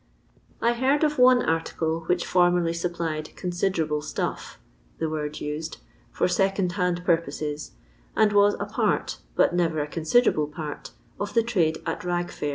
I heard of one article which formerly supplied considerable "stuff" (the word used) ror second hand purposes, and was a part, but never a con siderable part, of the trade at Bag fair.